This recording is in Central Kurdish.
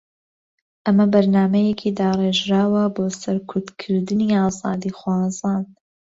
ئەمە بەرنامەیەکی داڕێژراوە بۆ سەرکوتکردنی ئازادیخوازان